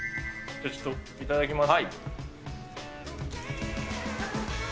ちょっといただきます。